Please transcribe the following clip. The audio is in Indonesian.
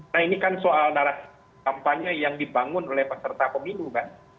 nah ini kan soal narasi kampanye yang dibangun oleh peserta pemilu kan